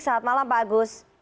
selamat malam pak agus